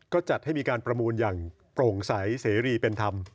ก็จัดให้มีการประมูลอย่างโปร่งใสเสรีเป็นธรรม